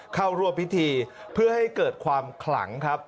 เข้าร่วมพิธีเพื่อให้เกิดความขลังครับ